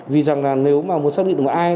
vì rằng là nếu mà muốn xác định được